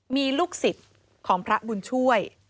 มีลูกศิษย์ของพระบุญช่วย